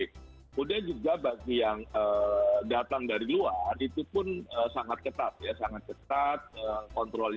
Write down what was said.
kemudian juga bagi yang datang dari luar itu pun sangat ketat